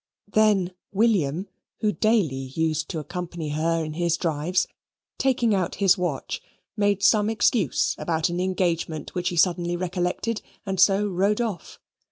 Then William, who daily used to accompany her in his drives, taking out his watch, made some excuse about an engagement which he suddenly recollected, and so rode off.